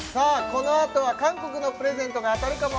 このあとは韓国のプレゼントが当たるかも？